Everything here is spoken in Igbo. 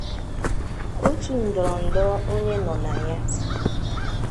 otu ndọrọ-ndọrọ onye nọ na ya